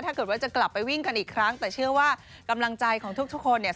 ถ้าเกิดว่าจะกลับไปวิ่งกันอีกครั้งแต่เชื่อว่ากำลังใจของทุกคนเนี่ย